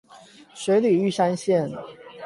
水里玉山線